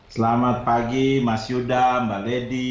selamat pagi mas yuda mbak lady